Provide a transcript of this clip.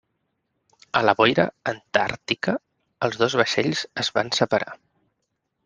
A la boira antàrtica, els dos vaixells es van separar.